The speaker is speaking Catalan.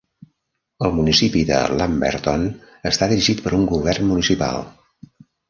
El municipi de Lumberton està dirigit per un govern municipal.